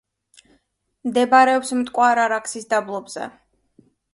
მდებარეობს მტკვარ-არაქსის დაბლობზე.